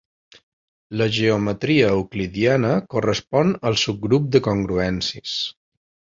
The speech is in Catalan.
La geometria euclidiana correspon al subgrup de congruències.